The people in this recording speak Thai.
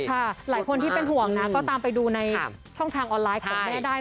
ค่ะหลายคนที่คือห่วงนะตามไปดูในช่องทางออนไลน์ในคุณแม่ได้